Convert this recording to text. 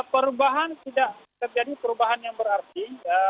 perubahan tidak terjadi perubahan yang berarti